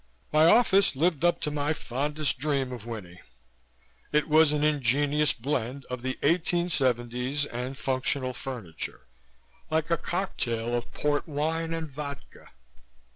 My office lived up to my fondest dream of Winnie. It was an ingenious blend of the 1870's and functional furniture like a cocktail of port wine and vodka.